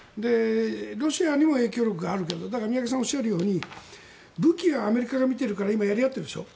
ロシアにも影響力があるけど宮家さんがおっしゃるように武器はアメリカが見ているからやり合っているでしょ。